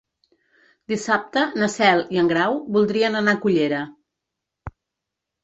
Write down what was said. Dissabte na Cel i en Grau voldrien anar a Cullera.